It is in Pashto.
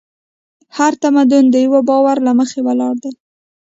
هر تمدن د یوه باور له مخې ولاړ دی.